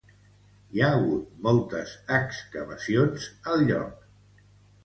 Hi ha hagut moltes excavacions al lloc.